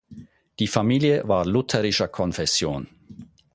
Die Familie war lutherischer Konfession.